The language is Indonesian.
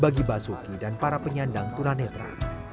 bagi basuki dan para penyandang tunanetra